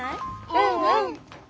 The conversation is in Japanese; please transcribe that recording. うんうん。